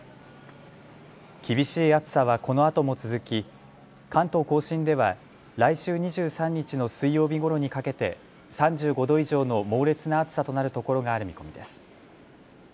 厳しい暑さはこのあとも続き、関東甲信では来週２３日の水曜日ごろにかけて３５度以上の猛烈な暑さとなる所がある見込みです。